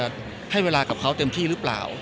การสร้างบัญลักษณะกับเขาเต็มที่หรือเปล่า